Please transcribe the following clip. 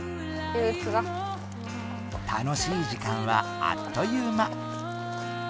楽しい時間はあっという間。